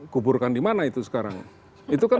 kuburkan di mana itu sekarang itu kan